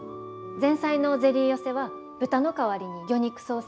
前菜のゼリー寄せは豚の代わりに魚肉ソーセージを。